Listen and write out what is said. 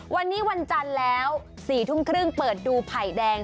วันนี้วันจันทร์แล้ว๔ทุ่มครึ่งเปิดดูไผ่แดง